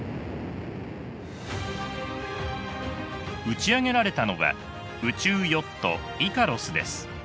打ち上げられたのは宇宙ヨットイカロスです。